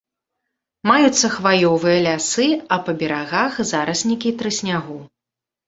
Маюцца хваёвыя лясы, а па берагах зараснікі трыснягу.